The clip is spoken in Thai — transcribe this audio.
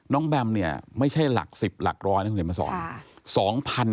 น้องแบมเนี่ยไม่ใช่หลักสิบหลักร้อยที่คุณเห็นมาสอน